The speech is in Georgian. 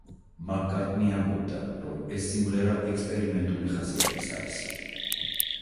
მაკ-კარტნი ამბობდა, რომ ეს სიმღერა ექსპერიმენტული ხასიათის არის.